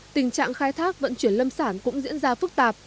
tình trạng khai thác vận chuyển lâm sản cũng diễn ra phức tạp